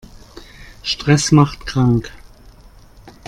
Stress macht krank.